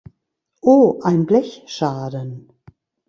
Oh, ein Blechschaden!